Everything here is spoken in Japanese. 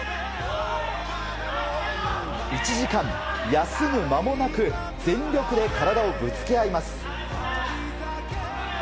１時間、休むまもなく全力で体をぶつけ合います。